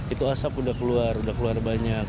itu asap udah keluar udah keluar banyak